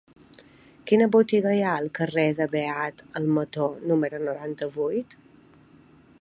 Quina botiga hi ha al carrer del Beat Almató número noranta-vuit?